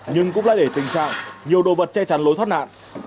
nhưng cũng lại để tình trạng nhiều đồ vật che chắn lối thoát nạn